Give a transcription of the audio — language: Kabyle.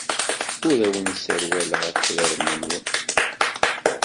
Ur awen-sserwaleɣ akraren-nwen.